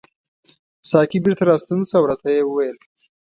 ساقي بیرته راستون شو او راته یې وویل.